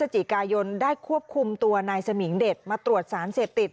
จิกายนได้ควบคุมตัวนายสมิงเด็ดมาตรวจสารเสพติด